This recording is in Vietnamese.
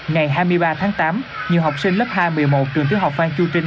ngày hai mươi ba tháng tám nhiều học sinh lớp hai một mươi một trường tiểu học phan chu trinh